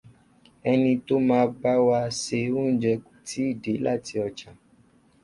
Ẹni tó máa bá wa se oúnjẹ kò tíì dé láti ọjà